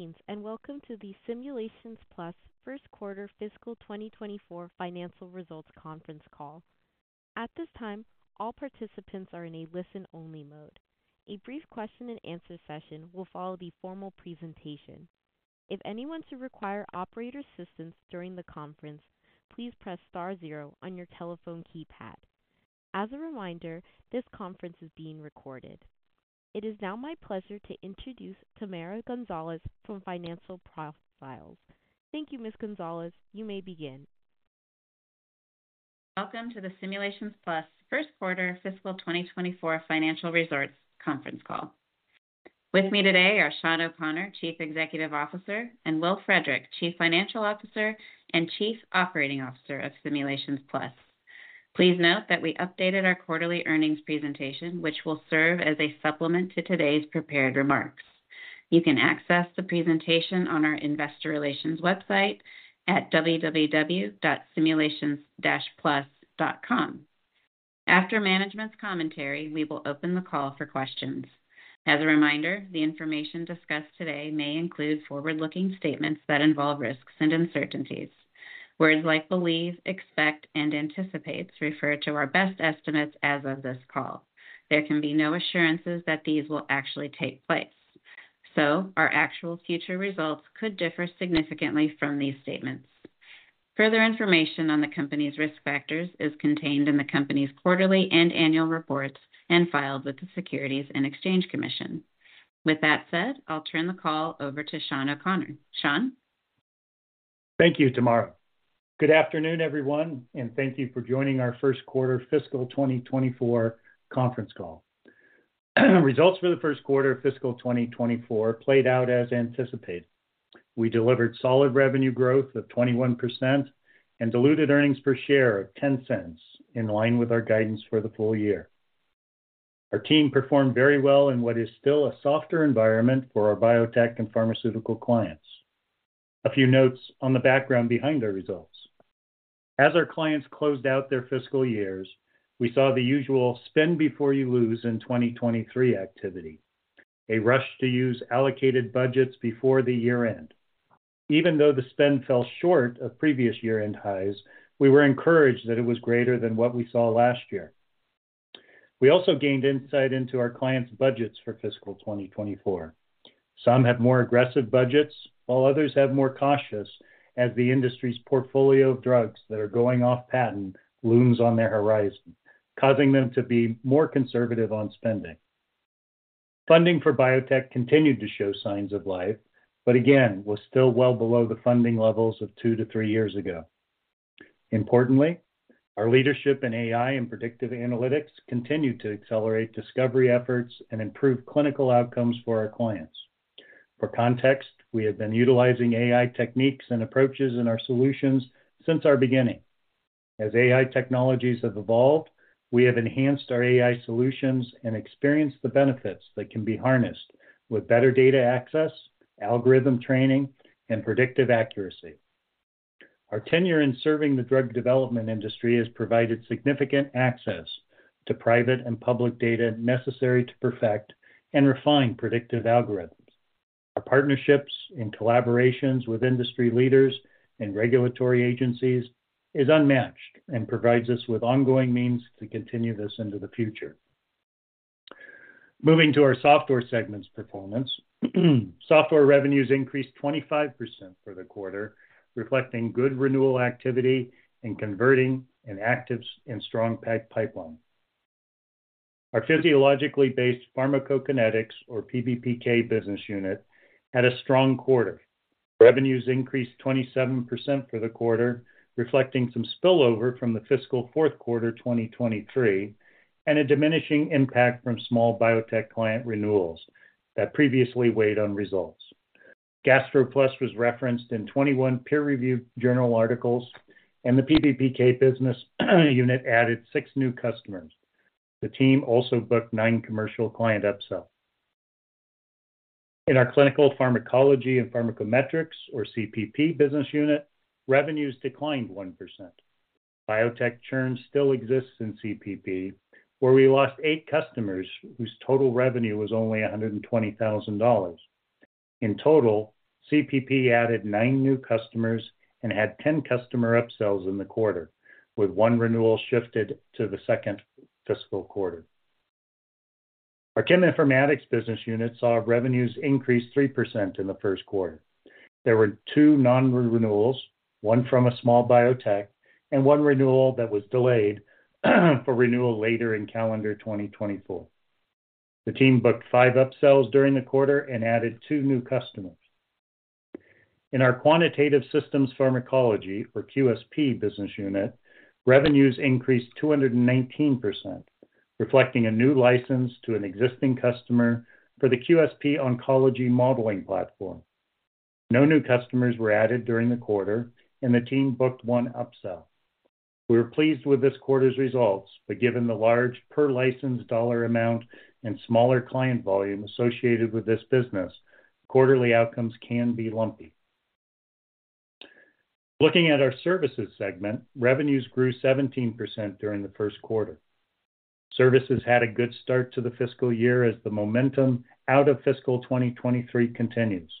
Greetings, and welcome to the Simulations Plus first quarter fiscal 2024 financial results conference call. At this time, all participants are in a listen-only mode. A brief question and answer session will follow the formal presentation. If anyone should require operator assistance during the conference, please press star zero on your telephone keypad. As a reminder, this conference is being recorded. It is now my pleasure to introduce Tamara Gonzalez from Financial Profiles. Thank you, Ms. Gonzalez. You may begin. Welcome to the Simulations Plus first quarter fiscal 2024 financial results conference call. With me today are Shawn O'Connor, Chief Executive Officer, and Will Frederick, Chief Financial Officer and Chief Operating Officer of Simulations Plus. Please note that we updated our quarterly earnings presentation, which will serve as a supplement to today's prepared remarks. You can access the presentation on our investor relations website at www.simulations-plus.com. After management's commentary, we will open the call for questions. As a reminder, the information discussed today may include forward-looking statements that involve risks and uncertainties. Words like believe, expect, and anticipates refer to our best estimates as of this call. There can be no assurances that these will actually take place, so our actual future results could differ significantly from these statements. Further information on the company's risk factors is contained in the company's quarterly and annual reports and filed with the Securities and Exchange Commission. With that said, I'll turn the call over to Shawn O'Connor. Shawn? Thank you, Tamara. Good afternoon, everyone, and thank you for joining our first quarter fiscal 2024 conference call. Results for the first quarter of fiscal 2024 played out as anticipated. We delivered solid revenue growth of 21% and diluted earnings per share of $0.10, in line with our guidance for the full year. Our team performed very well in what is still a softer environment for our biotech and pharmaceutical clients. A few notes on the background behind our results. As our clients closed out their fiscal years, we saw the usual spend before you lose in 2023 activity, a rush to use allocated budgets before the year-end. Even though the spend fell short of previous year-end highs, we were encouraged that it was greater than what we saw last year. We also gained insight into our clients' budgets for fiscal 2024. Some have more aggressive budgets, while others have more cautious, as the industry's portfolio of drugs that are going off patent looms on their horizon, causing them to be more conservative on spending. Funding for biotech continued to show signs of life, but again, was still well below the funding levels of 2-3 years ago. Importantly, our leadership in AI and predictive analytics continued to accelerate discovery efforts and improve clinical outcomes for our clients. For context, we have been utilizing AI techniques and approaches in our solutions since our beginning. As AI technologies have evolved, we have enhanced our AI solutions and experienced the benefits that can be harnessed with better data access, algorithm training, and predictive accuracy. Our tenure in serving the drug development industry has provided significant access to private and public data necessary to perfect and refine predictive algorithms. Our partnerships and collaborations with industry leaders and regulatory agencies is unmatched and provides us with ongoing means to continue this into the future. Moving to our software segment's performance, software revenues increased 25% for the quarter, reflecting good renewal activity and converting an active and strong peg pipeline. Our physiologically based pharmacokinetics, or PBPK business unit, had a strong quarter. Revenues increased 27% for the quarter, reflecting some spillover from the fiscal fourth quarter, 2023, and a diminishing impact from small biotech client renewals that previously weighed on results. GastroPlus was referenced in 21 peer-reviewed journal articles, and the PBPK business unit added six new customers. The team also booked nine commercial client upsells. In our clinical pharmacology and pharmacometrics, or CPP business unit, revenues declined 1%. Biotech churn still exists in CPP, where we lost 8 customers whose total revenue was only $120,000. In total, CPP added 9 new customers and had 10 customer upsells in the quarter, with one renewal shifted to the second fiscal quarter. Our Cheminformatics business unit saw revenues increase 3% in the first quarter. There were 2 non-renewals, one from a small biotech and one renewal that was delayed for renewal later in calendar 2024. The team booked 5 upsells during the quarter and added 2 new customers. In our quantitative systems pharmacology, or QSP business unit, revenues increased 219%, reflecting a new license to an existing customer for the QSP oncology modeling platform. No new customers were added during the quarter, and the team booked one upsell. We were pleased with this quarter's results, but given the large per license dollar amount and smaller client volume associated with this business, quarterly outcomes can be lumpy. Looking at our services segment, revenues grew 17% during the first quarter. Services had a good start to the fiscal year as the momentum out of fiscal 2023 continues.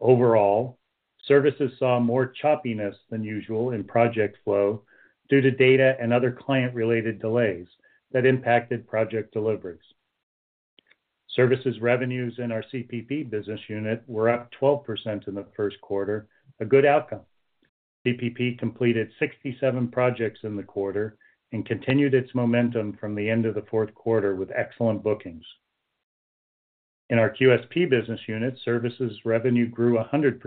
Overall, services saw more choppiness than usual in project flow due to data and other client-related delays that impacted project deliveries. Services revenues in our CPP business unit were up 12% in the first quarter, a good outcome. CPP completed 67 projects in the quarter and continued its momentum from the end of the fourth quarter with excellent bookings. In our QSP business unit, services revenue grew 100%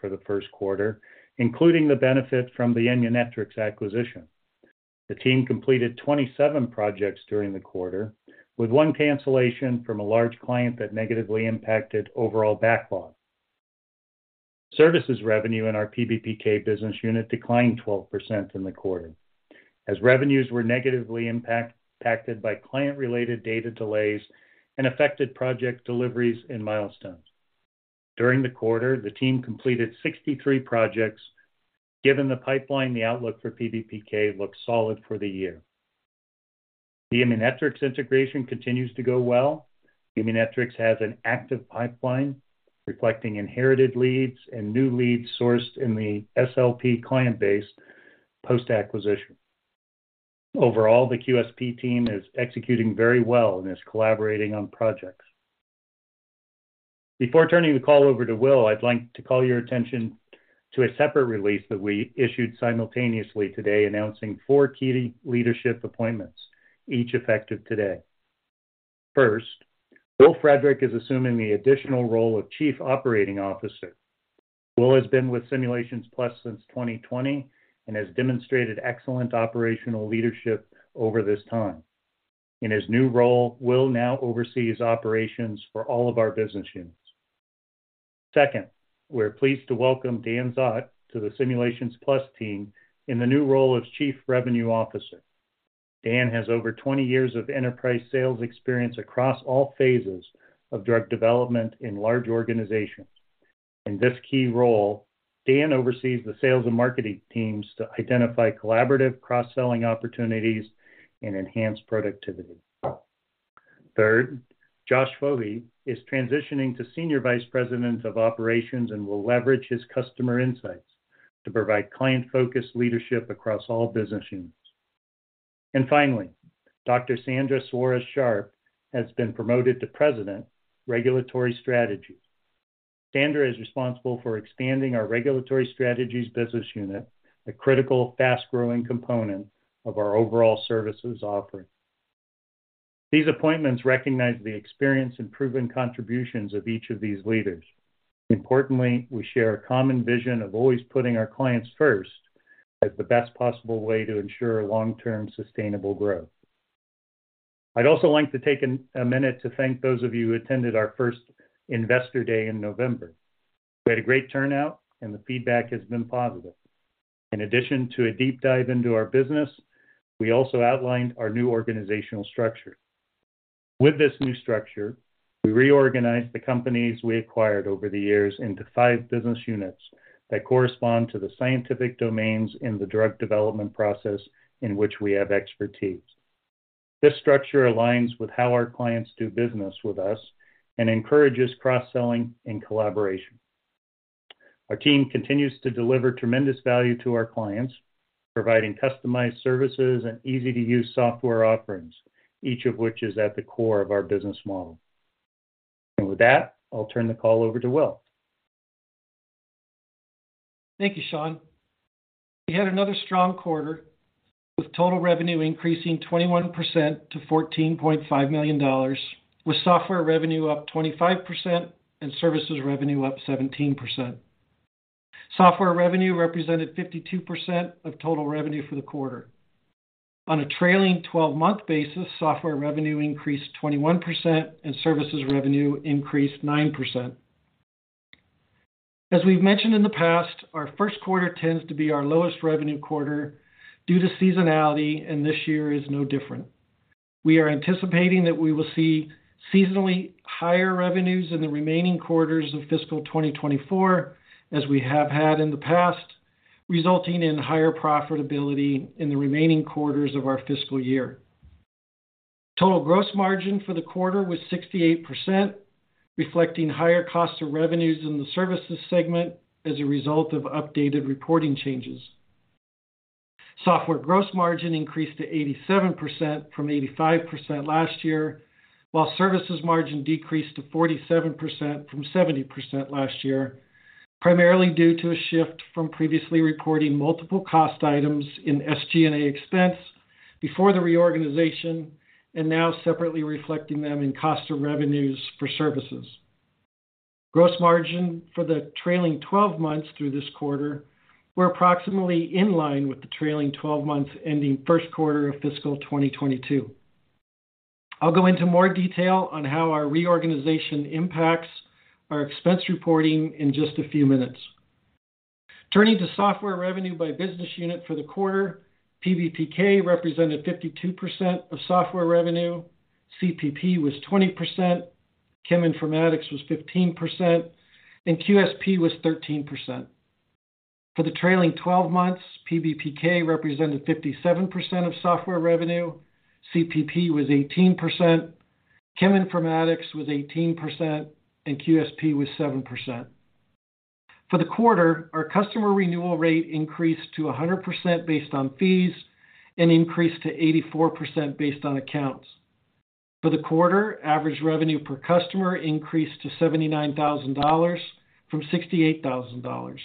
for the first quarter, including the benefit from the Immunetrics acquisition. The team completed 27 projects during the quarter, with one cancellation from a large client that negatively impacted overall backlog. Services revenue in our PBPK business unit declined 12% in the quarter, as revenues were negatively impacted by client-related data delays and affected project deliveries and milestones. During the quarter, the team completed 63 projects. Given the pipeline, the outlook for PBPK looks solid for the year. The Immunetrics integration continues to go well. Immunetrics has an active pipeline, reflecting inherited leads and new leads sourced in the SLP client base post-acquisition. Overall, the QSP team is executing very well and is collaborating on projects. Before turning the call over to Will, I'd like to call your attention to a separate release that we issued simultaneously today, announcing four key leadership appointments, each effective today. First, Will Frederick is assuming the additional role of Chief Operating Officer. Will has been with Simulations Plus since 2020 and has demonstrated excellent operational leadership over this time. In his new role, Will now oversees operations for all of our business units. Second, we're pleased to welcome Dan Szot to the Simulations Plus team in the new role of Chief Revenue Officer. Dan has over 20 years of enterprise sales experience across all phases of drug development in large organizations. In this key role, Dan oversees the sales and marketing teams to identify collaborative cross-selling opportunities and enhance productivity. Third, Josh Fohey is transitioning to Senior Vice President of Operations and will leverage his customer insights to provide client-focused leadership across all business units. And finally, Dr. Sandra Suarez-Sharp has been promoted to President, Regulatory Strategies. Sandra is responsible for expanding our regulatory strategies business unit, a critical, fast-growing component of our overall services offering. These appointments recognize the experience and proven contributions of each of these leaders. Importantly, we share a common vision of always putting our clients first as the best possible way to ensure long-term sustainable growth. I'd also like to take a minute to thank those of you who attended our first Investor Day in November. We had a great turnout, and the feedback has been positive. In addition to a deep dive into our business, we also outlined our new organizational structure. With this new structure, we reorganized the companies we acquired over the years into five business units that correspond to the scientific domains in the drug development process in which we have expertise. This structure aligns with how our clients do business with us and encourages cross-selling and collaboration. Our team continues to deliver tremendous value to our clients, providing customized services and easy-to-use software offerings, each of which is at the core of our business model. With that, I'll turn the call over to Will. Thank you, Shawn. We had another strong quarter, with total revenue increasing 21% to $14.5 million, with software revenue up 25% and services revenue up 17%. Software revenue represented 52% of total revenue for the quarter. On a trailing-twelve-month basis, software revenue increased 21% and services revenue increased 9%. As we've mentioned in the past, our first quarter tends to be our lowest revenue quarter due to seasonality, and this year is no different. We are anticipating that we will see seasonally higher revenues in the remaining quarters of fiscal 2024, as we have had in the past, resulting in higher profitability in the remaining quarters of our fiscal year. Total gross margin for the quarter was 68%, reflecting higher costs of revenues in the services segment as a result of updated reporting changes. Software gross margin increased to 87% from 85% last year, while services margin decreased to 47% from 70% last year, primarily due to a shift from previously reporting multiple cost items in SG&A expense before the reorganization and now separately reflecting them in cost of revenues for services. Gross margin for the trailing 12 months through this quarter were approximately in line with the trailing 12 months ending first quarter of fiscal 2022. I'll go into more detail on how our reorganization impacts our expense reporting in just a few minutes. Turning to software revenue by business unit for the quarter, PBPK represented 52% of software revenue, CPP was 20%. Cheminformatics was 15%, and QSP was 13%. For the trailing twelve months, PBPK represented 57% of software revenue, CPP was 18%, Cheminformatics was 18%, and QSP was 7%. For the quarter, our customer renewal rate increased to 100% based on fees and increased to 84% based on accounts. For the quarter, average revenue per customer increased to $79,000 from $68,000.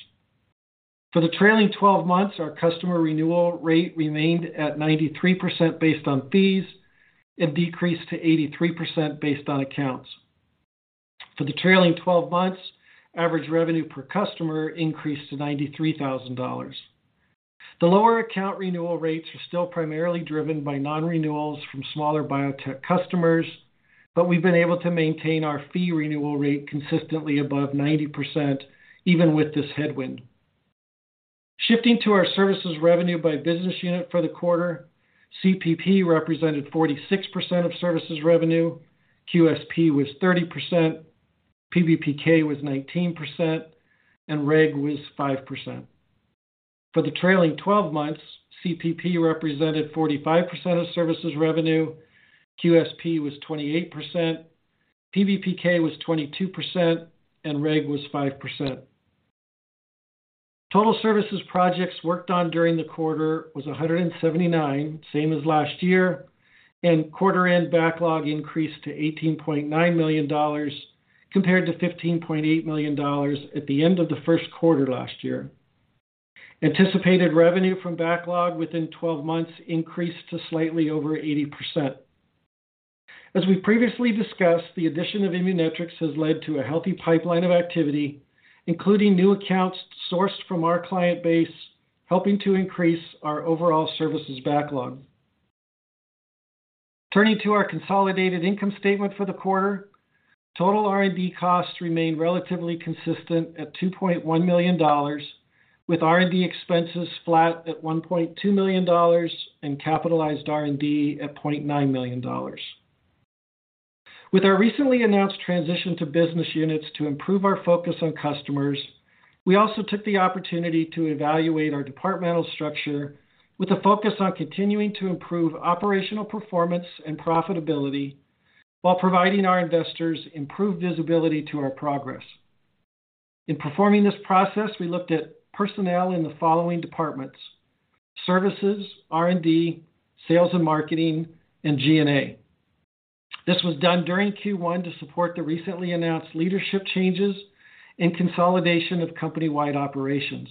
For the trailing twelve months, our customer renewal rate remained at 93% based on fees and decreased to 83% based on accounts. For the trailing twelve months, average revenue per customer increased to $93,000. The lower account renewal rates are still primarily driven by non-renewals from smaller biotech customers, but we've been able to maintain our fee renewal rate consistently above 90%, even with this headwind. Shifting to our services revenue by business unit for the quarter, CPP represented 46% of services revenue, QSP was 30%, PBPK was 19%, and Reg was 5%. For the trailing twelve months, CPP represented 45% of services revenue, QSP was 28%, PBPK was 22%, and Reg was 5%. Total services projects worked on during the quarter was 179, same as last year, and quarter-end backlog increased to $18.9 million, compared to $15.8 million at the end of the first quarter last year. Anticipated revenue from backlog within twelve months increased to slightly over 80%. As we previously discussed, the addition of Immunetrics has led to a healthy pipeline of activity, including new accounts sourced from our client base, helping to increase our overall services backlog. Turning to our consolidated income statement for the quarter. Total R&D costs remained relatively consistent at $2.1 million, with R&D expenses flat at $1.2 million and capitalized R&D at $0.9 million. With our recently announced transition to business units to improve our focus on customers, we also took the opportunity to evaluate our departmental structure with a focus on continuing to improve operational performance and profitability, while providing our investors improved visibility to our progress. In performing this process, we looked at personnel in the following departments: Services, R&D, Sales and Marketing, and G&A. This was done during Q1 to support the recently announced leadership changes and consolidation of company-wide operations.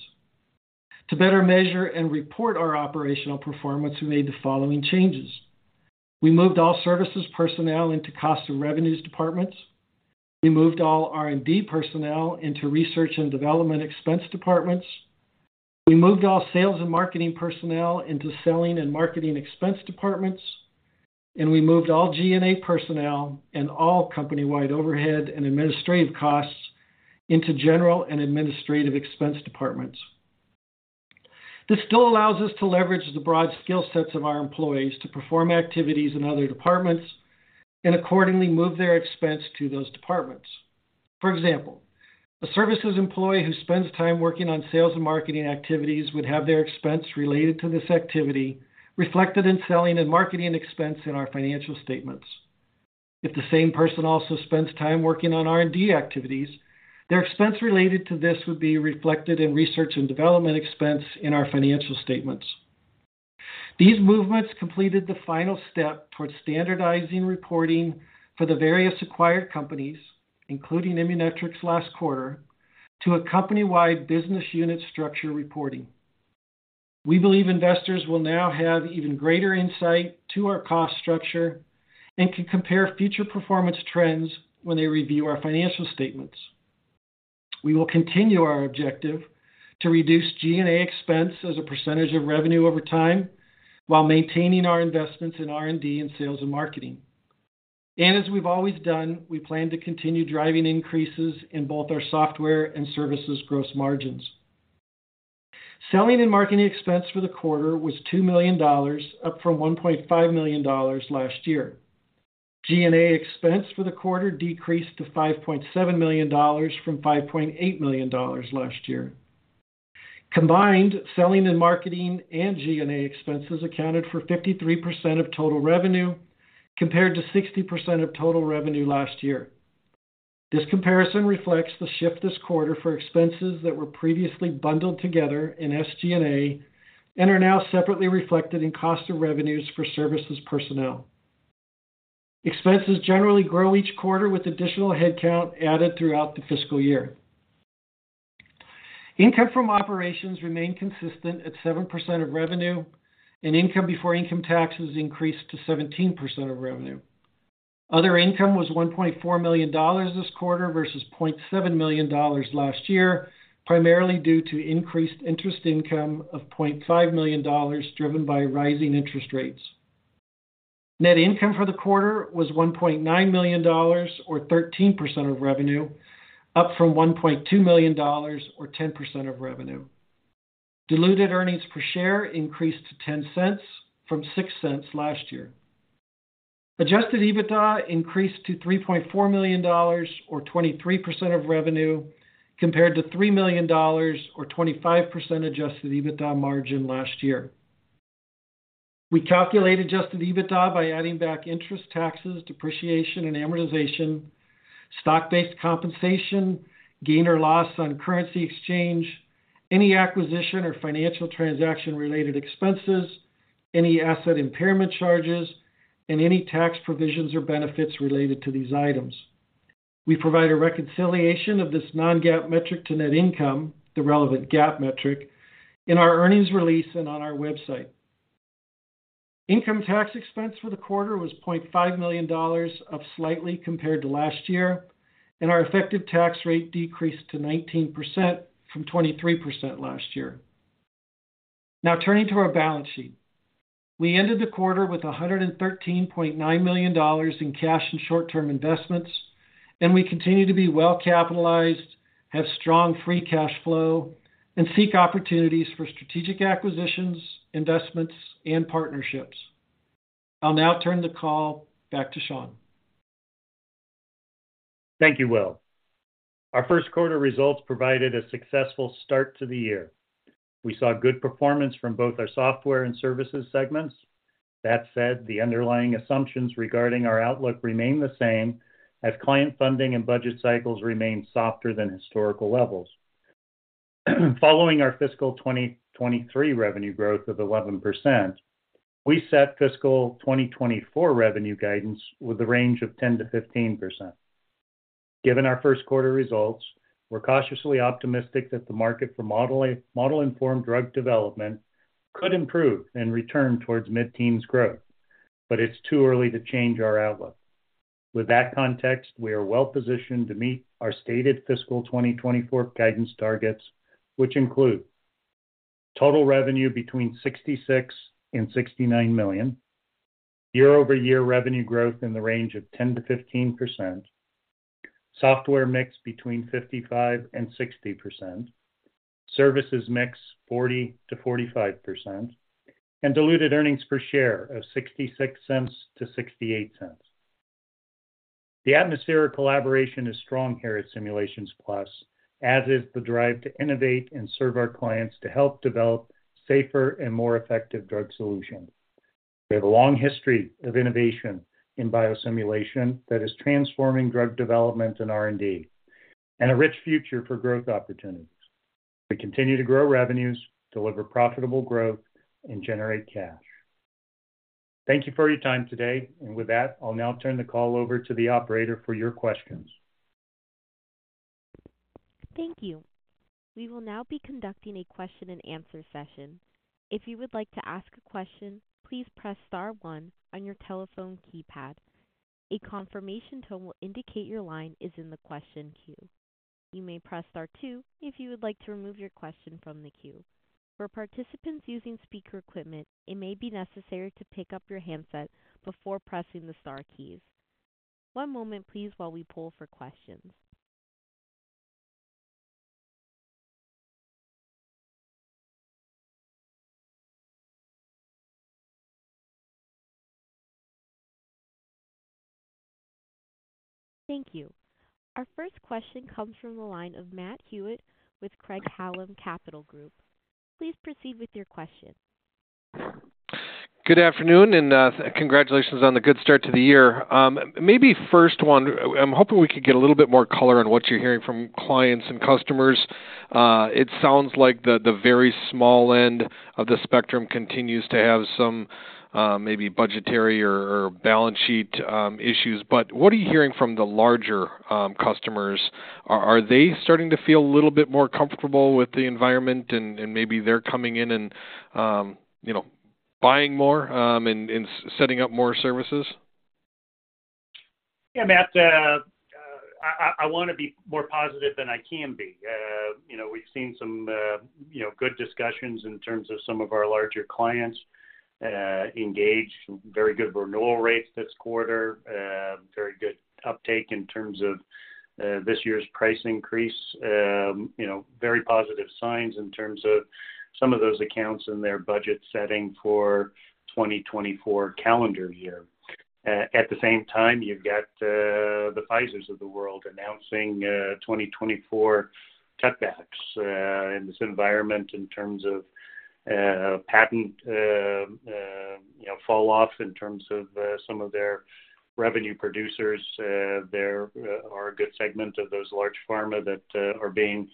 To better measure and report our operational performance, we made the following changes. We moved all services personnel into cost and revenues departments. We moved all R&D personnel into research and development expense departments. We moved all sales and marketing personnel into selling and marketing expense departments, and we moved all G&A personnel and all company-wide overhead and administrative costs into general and administrative expense departments. This still allows us to leverage the broad skill sets of our employees to perform activities in other departments and accordingly, move their expense to those departments. For example, a services employee who spends time working on sales and marketing activities would have their expense related to this activity reflected in selling and marketing expense in our financial statements. If the same person also spends time working on R&D activities, their expense related to this would be reflected in research and development expense in our financial statements. These movements completed the final step towards standardizing reporting for the various acquired companies, including Immunetrics last quarter, to a company-wide business unit structure reporting. We believe investors will now have even greater insight to our cost structure and can compare future performance trends when they review our financial statements. We will continue our objective to reduce G&A expense as a percentage of revenue over time, while maintaining our investments in R&D and sales and marketing. And as we've always done, we plan to continue driving increases in both our software and services gross margins. Selling and marketing expense for the quarter was $2 million, up from $1.5 million last year. G&A expense for the quarter decreased to $5.7 million from $5.8 million last year. Combined, selling and marketing, and G&A expenses accounted for 53% of total revenue, compared to 60% of total revenue last year. This comparison reflects the shift this quarter for expenses that were previously bundled together in SG&A and are now separately reflected in cost of revenues for services personnel. Expenses generally grow each quarter, with additional headcount added throughout the fiscal year. Income from operations remained consistent at 7% of revenue, and income before income taxes increased to 17% of revenue. Other income was $1.4 million this quarter versus $0.7 million last year, primarily due to increased interest income of $0.5 million, driven by rising interest rates. Net income for the quarter was $1.9 million or 13% of revenue, up from $1.2 million or 10% of revenue.... Diluted earnings per share increased to $0.10 from $0.06 last year. Adjusted EBITDA increased to $3.4 million or 23% of revenue, compared to $3 million or 25% adjusted EBITDA margin last year. We calculate adjusted EBITDA by adding back interest, taxes, depreciation, and amortization, stock-based compensation, gain or loss on currency exchange, any acquisition or financial transaction-related expenses, any asset impairment charges, and any tax provisions or benefits related to these items. We provide a reconciliation of this non-GAAP metric to net income, the relevant GAAP metric, in our earnings release and on our website. Income tax expense for the quarter was $0.5 million, up slightly compared to last year, and our effective tax rate decreased to 19% from 23% last year. Now turning to our balance sheet. We ended the quarter with $113.9 million in cash and short-term investments, and we continue to be well capitalized, have strong free cash flow, and seek opportunities for strategic acquisitions, investments, and partnerships. I'll now turn the call back to Shawn. Thank you, Will. Our first quarter results provided a successful start to the year. We saw good performance from both our software and services segments. That said, the underlying assumptions regarding our outlook remain the same as client funding and budget cycles remain softer than historical levels. Following our fiscal 2023 revenue growth of 11%, we set fiscal 2024 revenue guidance with a range of 10%-15%. Given our first quarter results, we're cautiously optimistic that the market for modeling, model-informed drug development could improve and return towards mid-teens growth, but it's too early to change our outlook. With that context, we are well positioned to meet our stated fiscal 2024 guidance targets, which include total revenue between $66 million and $69 million, year-over-year revenue growth in the range of 10%-15%, software mix between 55% and 60%, services mix 40%-45%, and diluted earnings per share of $0.66-$0.68. The atmospheric collaboration is strong here at Simulations Plus, as is the drive to innovate and serve our clients to help develop safer and more effective drug solutions. We have a long history of innovation in biosimulation that is transforming drug development and R&D, and a rich future for growth opportunities. We continue to grow revenues, deliver profitable growth, and generate cash. Thank you for your time today, and with that, I'll now turn the call over to the operator for your questions. Thank you. We will now be conducting a question and answer session. If you would like to ask a question, please press star one on your telephone keypad. A confirmation tone will indicate your line is in the question queue. You may press star two if you would like to remove your question from the queue. For participants using speaker equipment, it may be necessary to pick up your handset before pressing the star keys. One moment, please, while we pull for questions. Thank you. Our first question comes from the line of Matt Hewitt with Craig-Hallum Capital Group. Please proceed with your question. Good afternoon, and, congratulations on the good start to the year. Maybe first one, I'm hoping we could get a little bit more color on what you're hearing from clients and customers. It sounds like the very small end of the spectrum continues to have some, maybe budgetary or, or balance sheet, issues, but what are you hearing from the larger, customers? Are they starting to feel a little bit more comfortable with the environment and, and maybe they're coming in and, you know, buying more, and, and setting up more services? Yeah, Matt, I wanna be more positive than I can be. You know, we've seen some good discussions in terms of some of our larger clients engage. Very good renewal rates this quarter. Very good uptake in terms of this year's price increase. You know, very positive signs in terms of some of those accounts and their budget setting for 2024 calendar year. At the same time, you've got the Pfizers of the world announcing 2024 cutbacks in this environment in terms of patent, you know, falloff in terms of some of their revenue producers. There are a good segment of those large pharma that are being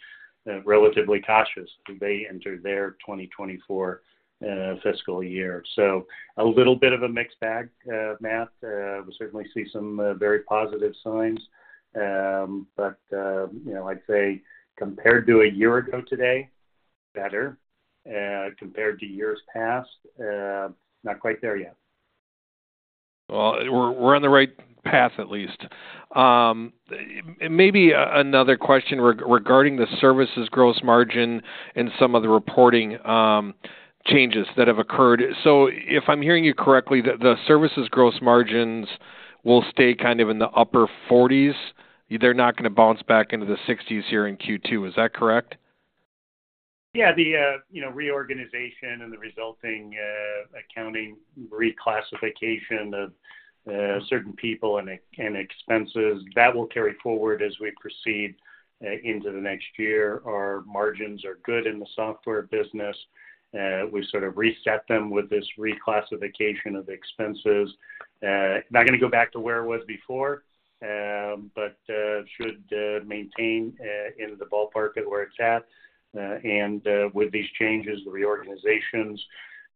relatively cautious as they enter their 2024 fiscal year. So a little bit of a mixed bag, Matt. We certainly see some very positive signs. But you know, I'd say compared to a year ago today, better. Compared to years past, not quite there yet. Well, we're on the right path at least. Maybe another question regarding the services gross margin and some of the reporting changes that have occurred. So if I'm hearing you correctly, the services gross margins will stay kind of in the upper forties. They're not going to bounce back into the sixties here in Q2. Is that correct? Yeah, the, you know, reorganization and the resulting, accounting reclassification of, certain people and expenses, that will carry forward as we proceed, into the next year. Our margins are good in the software business. We sort of reset them with this reclassification of expenses. Not going to go back to where it was before, but, should maintain, in the ballpark at where it's at. And, with these changes, the reorganizations,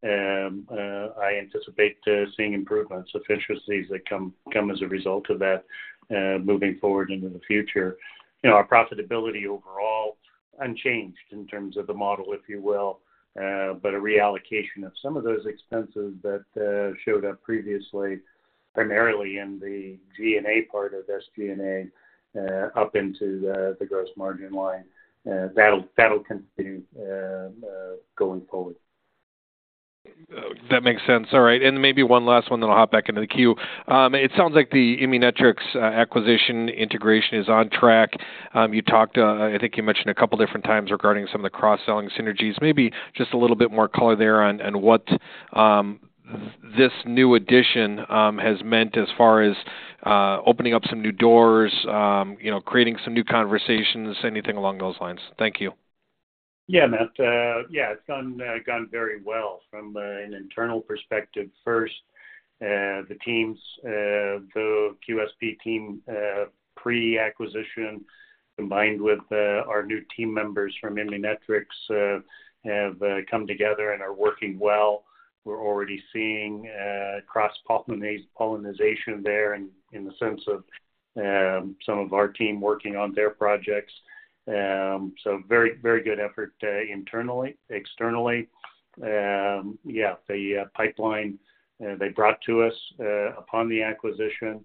I anticipate seeing improvements, efficiencies that come as a result of that, moving forward into the future. You know, our profitability overall unchanged in terms of the model, if you will, but a reallocation of some of those expenses that showed up previously, primarily in the G&A part of SG&A, up into the gross margin line. That'll continue going forward. That makes sense. All right, and maybe one last one, then I'll hop back into the queue. It sounds like the Immunetrics acquisition integration is on track. You talked, I think you mentioned a couple of different times regarding some of the cross-selling synergies. Maybe just a little bit more color there on what this new addition has meant as far as opening up some new doors, you know, creating some new conversations, anything along those lines. Thank you. Yeah, Matt. Yeah, it's gone, gone very well from an internal perspective first. The teams, the QSP team pre-acquisition, combined with our new team members from Immunetrics, have come together and are working well. We're already seeing cross-pollination there in the sense of some of our team working on their projects. So very, very good effort internally. Externally, yeah, the pipeline they brought to us upon the acquisition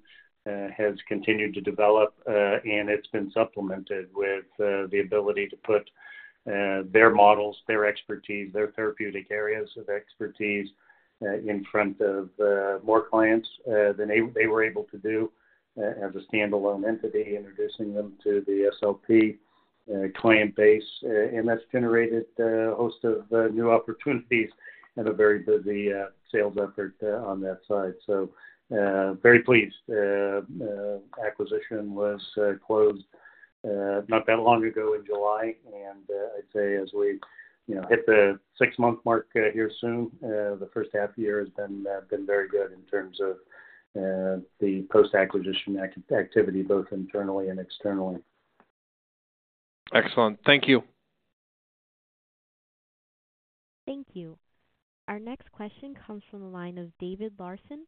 has continued to develop, and it's been supplemented with the ability to put their models, their expertise, their therapeutic areas of expertise in front of more clients than they were able to do as a standalone entity, introducing them to the SLP client base. And that's generated a host of new opportunities and a very busy sales effort on that side. So, very pleased. Acquisition was closed not that long ago in July, and I'd say as we, you know, hit the six-month mark here soon, the first half year has been very good in terms of the post-acquisition activity, both internally and externally. Excellent. Thank you. Thank you. Our next question comes from the line of David Larsen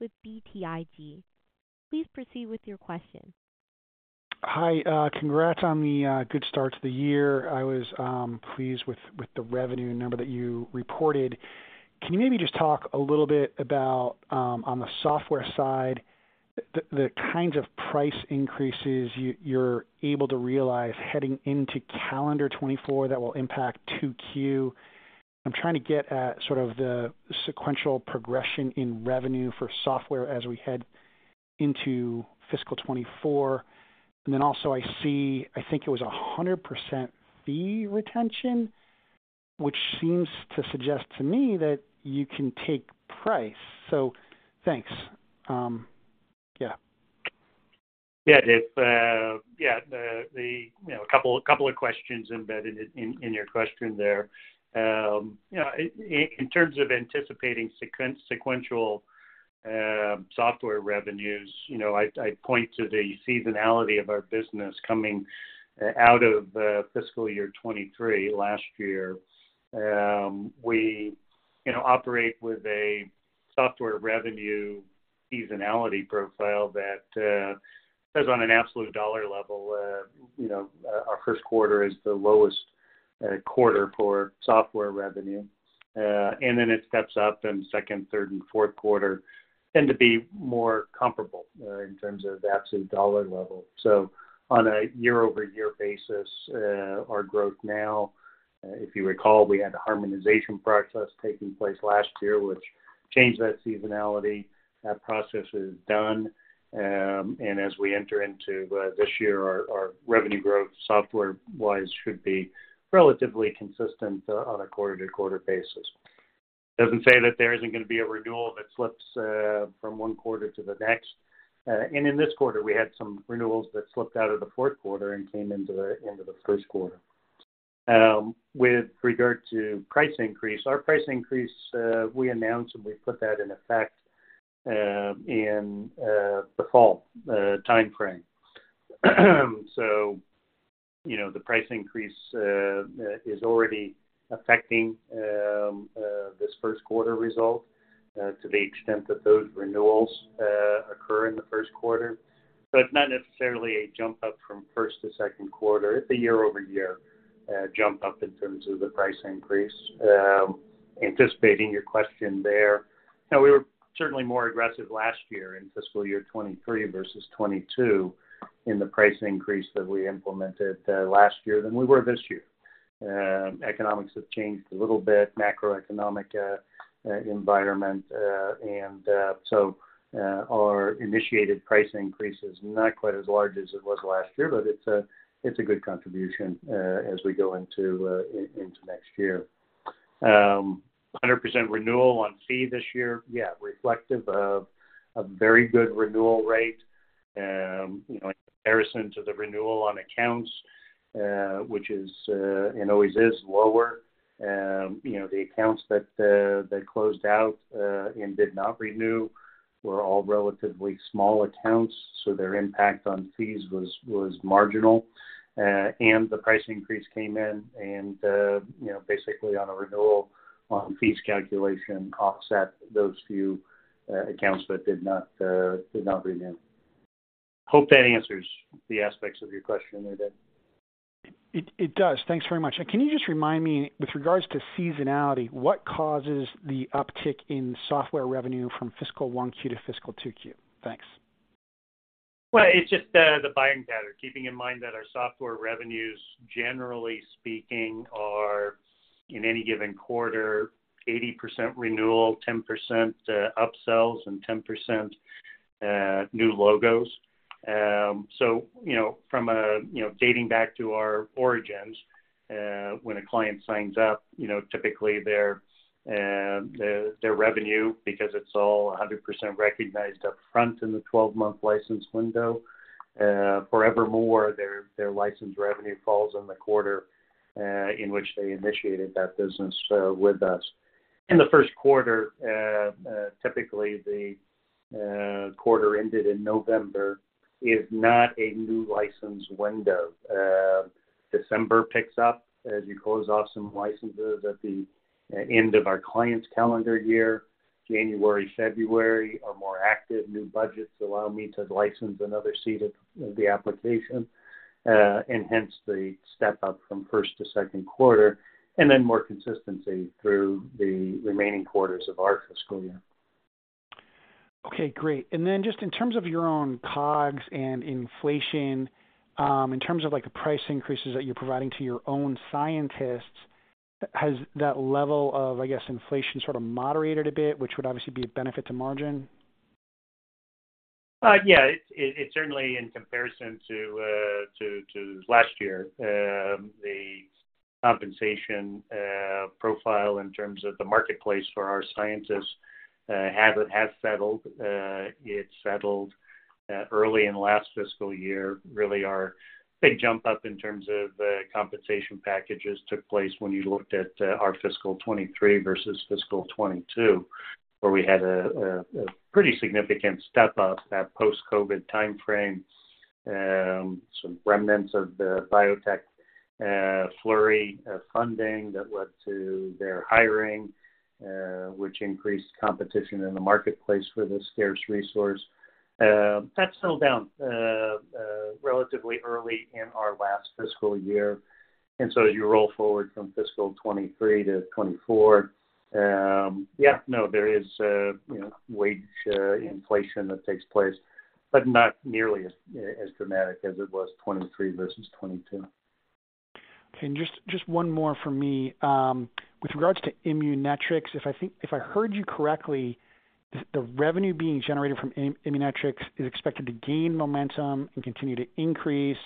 with BTIG. Please proceed with your question. Hi. Congrats on the good start to the year. I was pleased with the revenue number that you reported. Can you maybe just talk a little bit about, on the software side, the kinds of price increases you're able to realize heading into calendar 2024 that will impact 2Q? I'm trying to get at sort of the sequential progression in revenue for software as we head into fiscal 2024. And then also I see, I think it was 100% fee retention, which seems to suggest to me that you can take price. So thanks. Yeah. Yeah, Dave, yeah, the, you know, a couple of questions embedded in your question there. You know, in terms of anticipating sequential software revenues, you know, I point to the seasonality of our business coming out of fiscal year 2023 last year. You know, we operate with a software revenue seasonality profile that says on an absolute dollar level, you know, our first quarter is the lowest quarter for software revenue, and then it steps up, and second, third, and fourth quarter tend to be more comparable in terms of the absolute dollar level. So on a year-over-year basis, our growth now, if you recall, we had a harmonization process taking place last year, which changed that seasonality. That process is done, and as we enter into this year, our revenue growth, software-wise, should be relatively consistent on a quarter-to-quarter basis. Doesn't say that there isn't going to be a renewal that slips from one quarter to the next. And in this quarter, we had some renewals that slipped out of the fourth quarter and came into the end of the first quarter. With regard to price increase, our price increase we announced and we put that in effect in the fall time frame. So, you know, the price increase is already affecting this first quarter result to the extent that those renewals occur in the first quarter, but not necessarily a jump up from first to second quarter. It's a year-over-year jump up in terms of the price increase. Anticipating your question there. Now, we were certainly more aggressive last year in fiscal year 2023 versus 2022 in the price increase that we implemented last year than we were this year. Economics have changed a little bit, macroeconomic environment. And so our initiated price increase is not quite as large as it was last year, but it's a good contribution as we go into next year. 100% renewal on fee this year. Yeah, reflective of a very good renewal rate, you know, in comparison to the renewal on accounts, which is and always is lower. You know, the accounts that closed out and did not renew were all relatively small accounts, so their impact on fees was marginal, and the price increase came in and you know, basically on a renewal on fees calculation, offset those few accounts that did not renew. Hope that answers the aspects of your question there, Dave. It does. Thanks very much. Can you just remind me, with regards to seasonality, what causes the uptick in software revenue from fiscal 1Q to fiscal 2Q? Thanks. Well, it's just the buying pattern, keeping in mind that our software revenues, generally speaking, are, in any given quarter, 80% renewal, 10% upsells and 10% new logos. So, you know, from a, you know, dating back to our origins, when a client signs up, you know, typically their revenue, because it's all 100% recognized up front in the 12-month license window, forevermore, their license revenue falls in the quarter in which they initiated that business with us. In the first quarter, typically, the quarter ended in November is not a new license window. December picks up as you close off some licenses at the end of our client's calendar year. January, February are more active. New budgets allow me to license another seat of the application, and hence the step up from first to second quarter, and then more consistency through the remaining quarters of our fiscal year. Okay, great. And then just in terms of your own COGS and inflation, in terms of, like, the price increases that you're providing to your own scientists, has that level of, I guess, inflation sort of moderated a bit, which would obviously be a benefit to margin? Yeah, it certainly in comparison to last year, the compensation profile in terms of the marketplace for our scientists has settled. It settled early in last fiscal year. Really, our big jump up in terms of compensation packages took place when you looked at our fiscal 2023 versus fiscal 2022, where we had a pretty significant step up that post-COVID timeframe, some remnants of the biotech flurry of funding that led to their hiring, which increased competition in the marketplace for this scarce resource. That settled down relatively early in our last fiscal year. And so as you roll forward from fiscal 2023 to 2024, you know, there is a wage inflation that takes place, but not nearly as dramatic as it was, 2023 versus 2022. Okay, and just one more for me. With regards to Immunetrics, if I think, if I heard you correctly, the revenue being generated from Immunetrics is expected to gain momentum and continue to increase,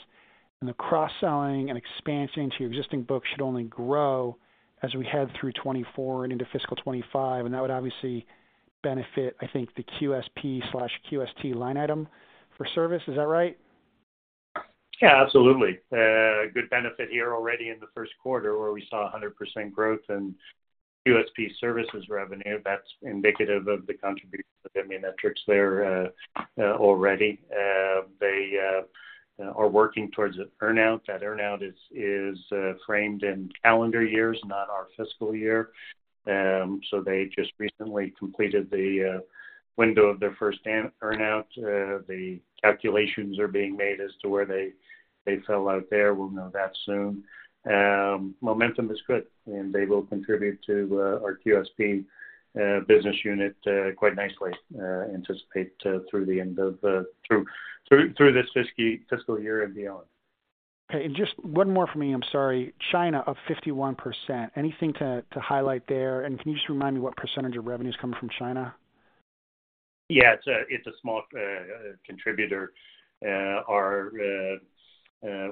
and the cross-selling and expansion into your existing book should only grow as we head through 2024 and into fiscal 2025, and that would obviously benefit, I think, the QSP/QST line item for service. Is that right? Yeah, absolutely. Good benefit here already in the first quarter, where we saw 100% growth in QSP services revenue. That's indicative of the contribution of Immunetrics there, already. They are working towards an earn-out. That earn-out is framed in calendar years, not our fiscal year. So they just recently completed the window of their first earn-out. The calculations are being made as to where they fell out there. We'll know that soon. Momentum is good, and they will contribute to our QSP business unit quite nicely, anticipate through the end of this fiscal year and beyond. Okay, just one more for me. I'm sorry. China, up 51%. Anything to highlight there? Can you just remind me what percentage of revenue is coming from China? Yeah, it's a small contributor. Our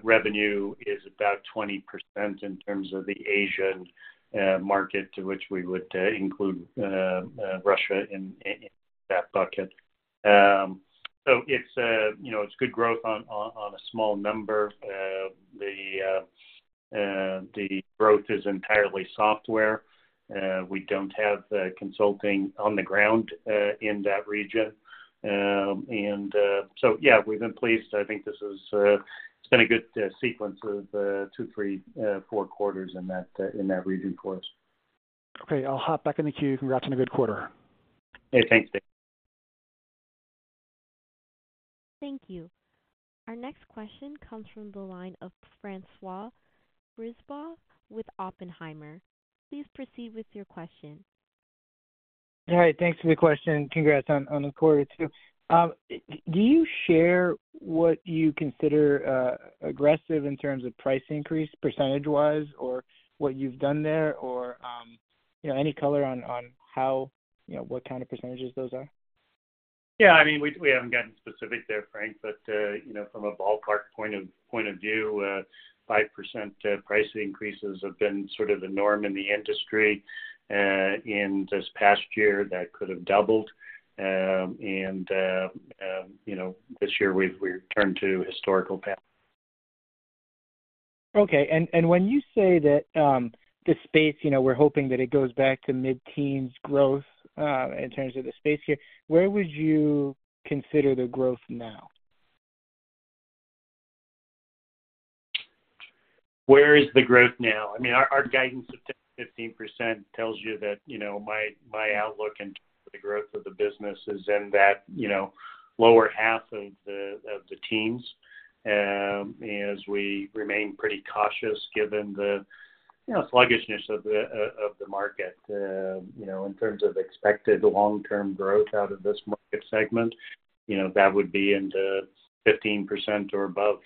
revenue is about 20% in terms of the Asian market, to which we would include Russia in that bucket. So it's a, you know, it's good growth on a small number. The growth is entirely software. We don't have consulting on the ground in that region. And so yeah, we've been pleased. I think this is, it's been a good sequence of 2, 3, 4 quarters in that region for us. Okay. I'll hop back in the queue. Congrats on a good quarter. Hey, thanks, Dave. Thank you. Our next question comes from the line of François Brisebois with Oppenheimer. Please proceed with your question. Hi, thanks for the question, and congrats on the quarter, too. Do you share what you consider aggressive in terms of price increase, percentage-wise, or what you've done there? Or, you know, any color on how, you know, what kind of percentages those are? Yeah, I mean, we haven't gotten specific there, Frank, but you know, from a ballpark point of view, 5% price increases have been sort of the norm in the industry. In this past year, that could have doubled. You know, this year we've returned to historical path. Okay. And when you say that, the space, you know, we're hoping that it goes back to mid-teens growth, in terms of the space here, where would you consider the growth now? Where is the growth now? I mean, our guidance of 10%-15% tells you that, you know, my outlook in terms of the growth of the business is in that, you know, lower half of the teens. As we remain pretty cautious, given the, you know, sluggishness of the market. You know, in terms of expected long-term growth out of this market segment, you know, that would be in the 15% or above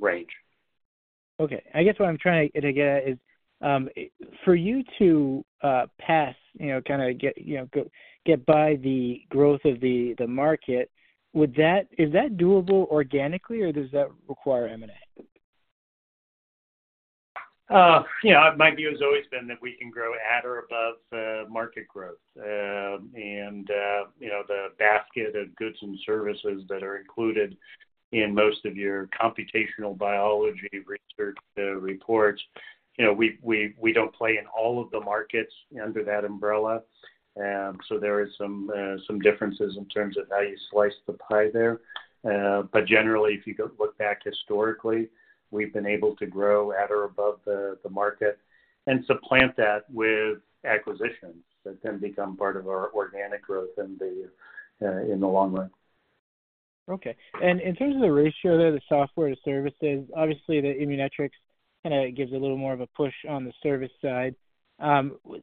range. Okay. I guess what I'm trying to get at is, for you to pass, you know, the growth of the market. Is that doable organically, or does that require M&A? You know, my view has always been that we can grow at or above market growth. And you know, the basket of goods and services that are included in most of your computational biology research reports, you know, we don't play in all of the markets under that umbrella. So there is some differences in terms of how you slice the pie there. But generally, if you go look back historically, we've been able to grow at or above the market and supplant that with acquisitions that then become part of our organic growth in the long run. Okay. And in terms of the ratio there, the software to services, obviously, the Immunetrics, kind of gives a little more of a push on the service side.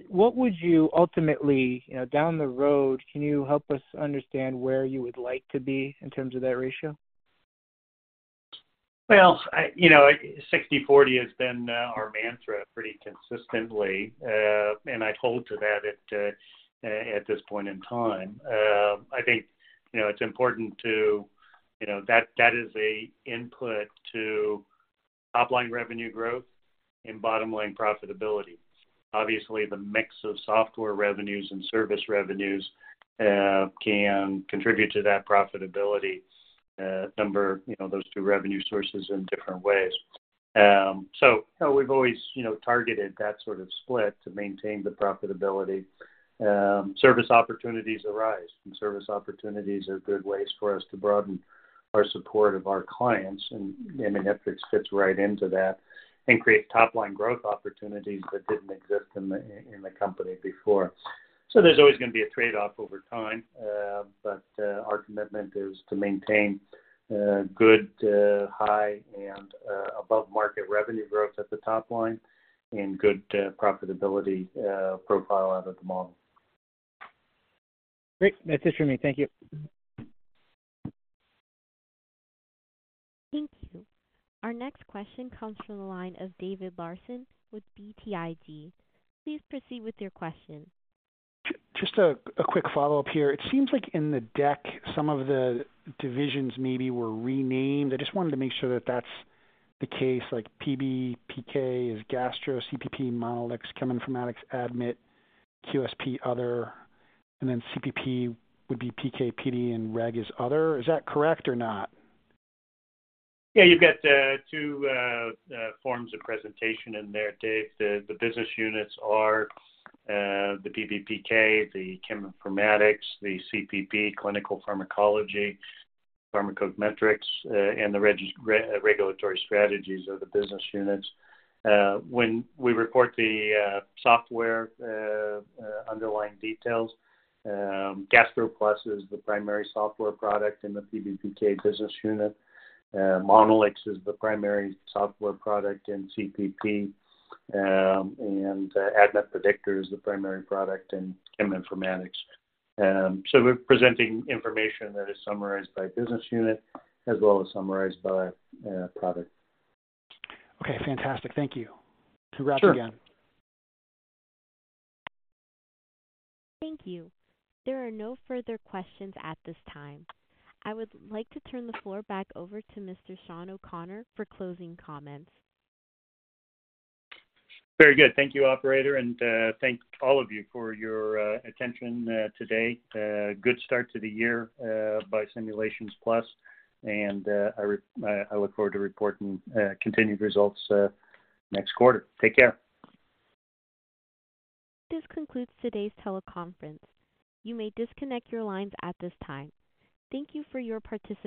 What would you ultimately, you know, down the road, can you help us understand where you would like to be in terms of that ratio? Well, I, you know, 60/40 has been our mantra pretty consistently, and I hold to that at this point in time. I think, you know, it's important to, you know, that is an input to top-line revenue growth and bottom-line profitability. Obviously, the mix of software revenues and service revenues can contribute to that profitability number, you know, those two revenue sources in different ways. So, you know, we've always, you know, targeted that sort of split to maintain the profitability. Service opportunities arise, and service opportunities are good ways for us to broaden our support of our clients, and Immunetrics fits right into that and creates top-line growth opportunities that didn't exist in the company before. So there's always going to be a trade-off over time, but our commitment is to maintain good, high and above-market revenue growth at the top line and good profitability profile out of the model. Great. That's it for me. Thank you. Thank you. Our next question comes from the line of David Larsen with BTIG. Please proceed with your question. Just a quick follow-up here. It seems like in the deck, some of the divisions maybe were renamed. I just wanted to make sure that that's the case. Like PBPK is Gastro, CPP, Monolix, Cheminformatics, ADMET, QSP, Other, and then CPP would be PK/PD, and Reg is Other. Is that correct or not? Yeah, you've got two forms of presentation in there, Dave. The business units are the PBPK, the Cheminformatics, the CPP, Clinical Pharmacology, Pharmacometrics, and the Regulatory Strategies are the business units. When we report the software underlying details, GastroPlus is the primary software product in the PBPK business unit. Monolix is the primary software product in CPP, and ADMET Predictor is the primary product in Cheminformatics. So we're presenting information that is summarized by business unit as well as summarized by product. Okay, fantastic. Thank you. Sure. Thanks again. Thank you. There are no further questions at this time. I would like to turn the floor back over to Mr. Shawn O'Connor for closing comments. Very good. Thank you, operator, and thank all of you for your attention today. Good start to the year by Simulations Plus, and I look forward to reporting continued results next quarter. Take care. This concludes today's teleconference. You may disconnect your lines at this time. Thank you for your participation.